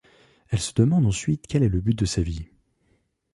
Elle se demande ensuite quel est le but de sa vie.